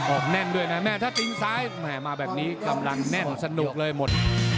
แน่นด้วยนะแม่ถ้าตีนซ้ายแห่มาแบบนี้กำลังแน่นสนุกเลยหมด